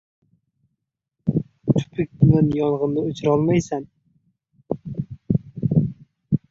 • Tupuk bilan yong‘inni o‘chirolmaysan.